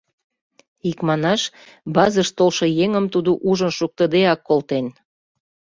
Икманаш, базыш толшо еҥым тудо ужын шуктыдеак колтен.